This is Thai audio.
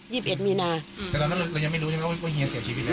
แต่ตอนนั้นเรายังไม่รู้ยังไม่รู้ว่าเฮียเสียชีวิตแล้ว